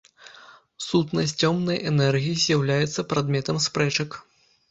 Сутнасць цёмнай энергіі з'яўляецца прадметам спрэчак.